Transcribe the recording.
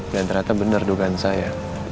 dan ternyata bener dugaan saya